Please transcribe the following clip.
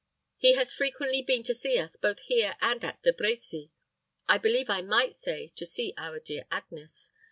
He has frequently been to see us both here and at De Brecy I believe I might say to see our dear Agnes.